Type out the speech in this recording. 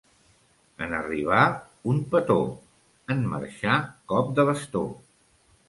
En arribar, un petó; en marxar, cop de bastó.